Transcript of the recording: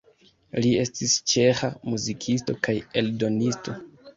Li estis ĉeĥa muzikisto kaj eldonisto.